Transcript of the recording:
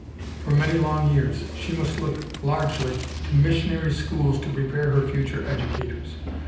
For many long years she must look largely to missionary schools to prepare her future educators.